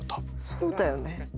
そうだよね？